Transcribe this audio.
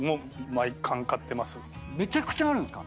めちゃくちゃあるんですか？